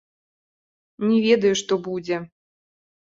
Не ведаю, што будзе.